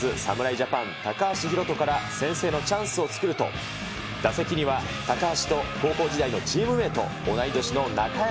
ジャパン高橋宏斗から先制のチャンスを作ると、打席には、高橋と高校時代のチームメート、同い年の中山